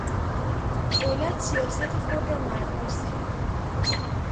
دولت سیاست خود را معکوس کرد.